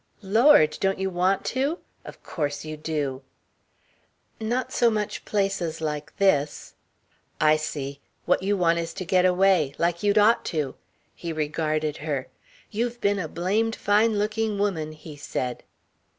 "Lord. Don't you want to? Of course you do!" "Not so much places like this " "I see. What you want is to get away like you'd ought to." He regarded her. "You've been a blamed fine looking woman," he said.